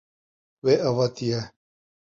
Wê avêtiye.